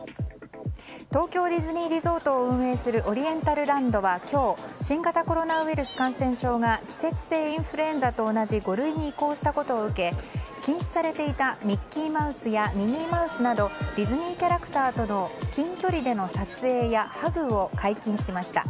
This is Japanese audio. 東京ディズニーリゾートを運営するオリエンタルランドは今日新型コロナウイルス感染症が季節性インフルエンザと同じ５類に移行したことを受け禁止されていたミッキーマウスやミニーマウスなどディズニーキャラクターとの近距離での撮影やハグを解禁しました。